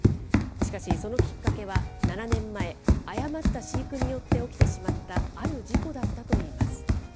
しかし、そのきっかけは７年前、誤った飼育によって起きてしまった、ある事故だったといいます。